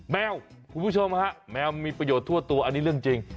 แมวคุณผู้ชมฮะแมวมีประโยชน์ทั่วตัวอันนี้เรื่องจริง